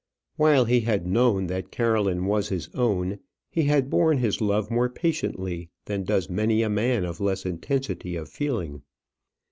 While he had known that Caroline was his own, he had borne his love more patiently than does many a man of less intensity of feeling.